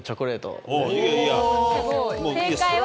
正解は。